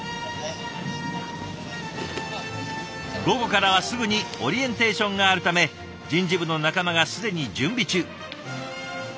午後からはすぐにオリエンテーションがあるため人事部の仲間が既に準備中。